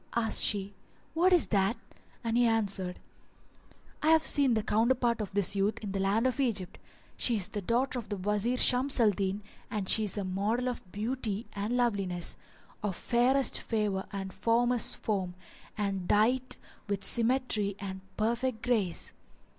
Asked she, "What is that?" and he answered, "I have seen the counterpart of this youth in the land of Egypt. She is the daughter of the Wazir Shams al Din and she is a model of beauty and loveliness, of fairest favour and formous form, and dight with symmetry and perfect grace.